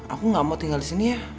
aku gak mau tinggal disini ya